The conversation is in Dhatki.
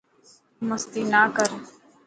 مستي نا ڪر.